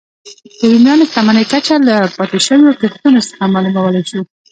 د رومیانو شتمنۍ کچه له پاتې شویو کښتیو څخه معلومولای شو